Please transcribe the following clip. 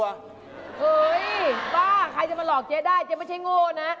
เฮ้ยป้าใครจะมาหลอกเจ๊ได้เจ๊ไม่ใช่โง่นะ